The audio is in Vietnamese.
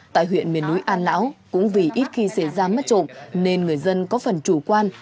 tại huyện miền núi an lão cũng vì ít khi xảy ra mất trộm nên người dân có phần chủ quan